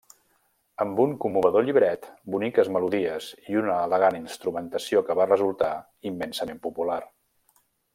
Amb un commovedor llibret, boniques melodies i una elegant instrumentació que va resultar immensament popular.